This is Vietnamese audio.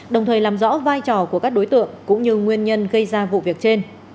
đồng thời làm rõ vai trò của các đối tượng cũng như nguyên nhân gây ra vụ việc trên